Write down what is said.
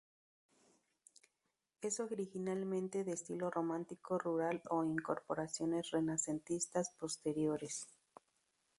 Es originalmente de estilo románico rural con incorporaciones renacentistas posteriores.